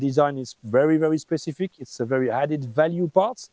desainnya sangat spesifik bahan bahan yang sangat berharga